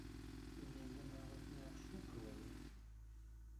І мяне нават не абшуквалі.